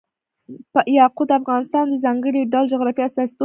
یاقوت د افغانستان د ځانګړي ډول جغرافیه استازیتوب کوي.